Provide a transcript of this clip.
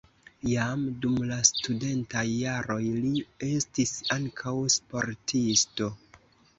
Jam dum la studentaj jaroj li estis ankaŭ sportisto.